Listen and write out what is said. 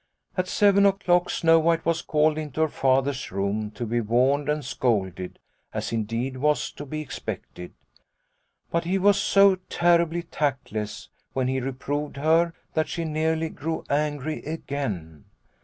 " At seven o'clock Snow White was called into her Father's room to be warned and scolded, as indeed was to be expected. But he was so terribly tactless, when he reproved her, that she nearly grew angry again.